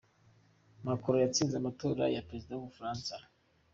Macron yatsinze amatora ya Perezida w’ u Bufaransa .